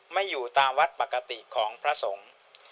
ไม่อยู่ตามวัดปกติของพระสงฆ์